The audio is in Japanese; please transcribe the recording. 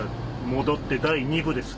戻って第２部です。